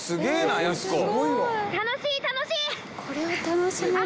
楽しい楽しい！